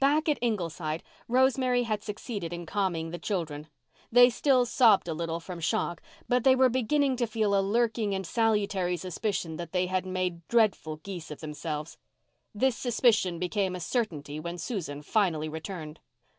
Back at Ingleside Rosemary had succeeded in calming the children. They still sobbed a little from shock, but they were beginning to feel a lurking and salutary suspicion that they had made dreadful geese of themselves. This suspicion became a certainty when Susan finally returned.